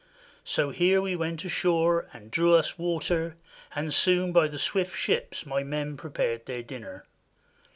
So here we went ashore and drew us water, and soon by the swift ships my men prepared their dinner.